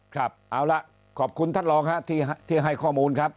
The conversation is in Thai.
ครับเอาล่ะขอบคุณท่านรองฮะที่ให้ข้อมูลครับ